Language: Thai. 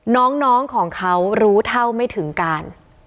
น้องของเขารู้เท่าไม่ถึงการ